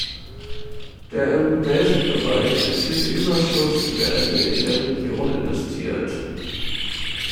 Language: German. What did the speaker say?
Der im "Basic-Bereich" erzielte Überschuss werde in der Region investiert.